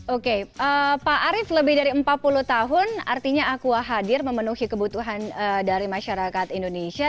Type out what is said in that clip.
oke pak arief lebih dari empat puluh tahun artinya aqua hadir memenuhi kebutuhan dari masyarakat indonesia